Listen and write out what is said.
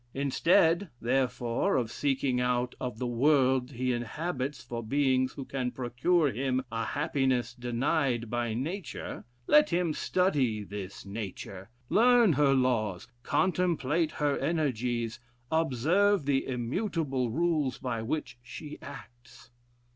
Instead, therefore, of seeking out of the world he inhabits for beings who can procure him a happiness denied by Nature, let him study this nature, learn her laws, contemplate her energies, observe the immutable rules by which she acts."